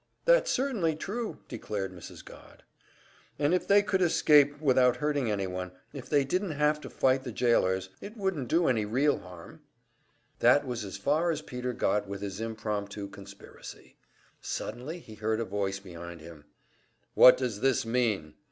"That's certainly true!" declared Mrs. Godd. "And if they could escape without hurting anyone, if they didn't have to fight the jailors, it wouldn't do any real harm " That was as far as Peter got with his impromptu conspiracy. Suddenly he heard a voice behind him: "What does this mean?"